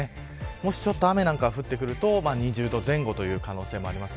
もし、ちょっと雨が降ってくると２０度前後という可能性もあります。